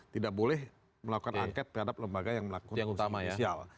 tidak boleh melakukan angket terhadap lembaga yang melakukan yang utama ya